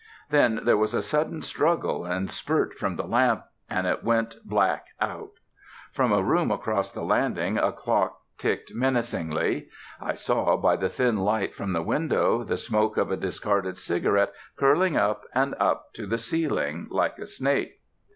Then there was a sudden struggle and spurt from the lamp, and it went black out. From a room across the landing a clock ticked menacingly. I saw, by the thin light from the window, the smoke of a discarded cigarette curling up and up to the ceiling like a snake.